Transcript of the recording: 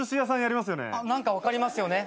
何か分かりますよね。